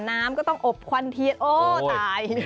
น้ำก็ต้องอบควันเทียนโอ้ตาย